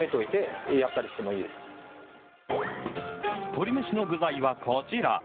鶏めしの具材はこちら。